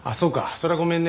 それはごめんね。